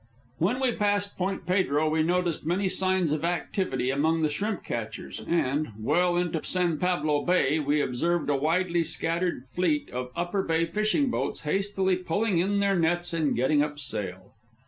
When we passed Point Pedro we noticed many signs of activity among the shrimp catchers, and, well into San Pablo Bay, we observed a widely scattered fleet of Upper Bay fishing boats hastily pulling in their nets and getting up sail.